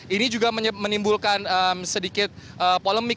ini juga menimbulkan sedikit polemik